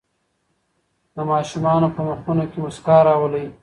د ماشومانو په مخونو کې مسکا راولئ.